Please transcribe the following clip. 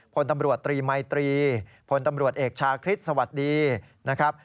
พลตำรวจตรีมัยตรีพลตำรวจเอกชาคริสต์สวัสดีนะครับ